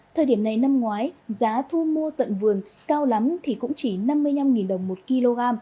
thời điểm này năm ngoái giá thu mua tận vườn cao lắm thì cũng chỉ năm mươi năm đồng một kg